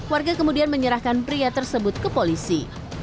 warga kemudian menyerahkan pria tersebut ke polisi